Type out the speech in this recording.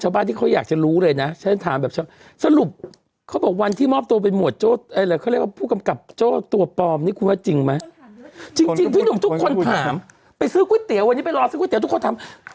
พี่หนุ่มทุกคนถามไปซื้อก๋วยเตี๋ยววันนี้ไปรอซื้อก๋วยเตี๋ยวทุกคนถาม